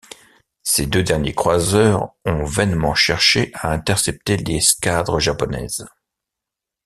Ces deux derniers croiseurs ont vainement cherché à intercepter l'escadre japonaise.